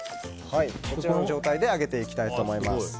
こちらの状態で揚げていきたいと思います。